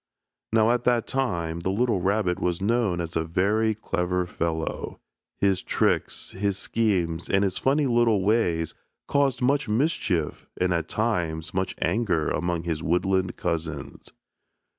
Now, at that time, the little rabbit was known as a very clever fellow. His tricks, his schemes, and his funny little ways caused much mischief and at times much anger among his woodland cousins.